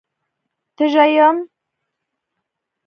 _تږی يم.